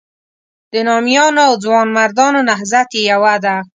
د نامیانو او ځوانمردانو نهضت یې یوه ده.